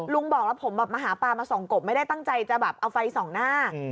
ลุงบอกผมมาหาปลาส่องกบไม่ได้ตั้งใจจะเอาไฟส่องหน้า